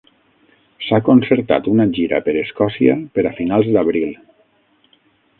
S'ha concertat una gira per Escòcia per a finals d'abril.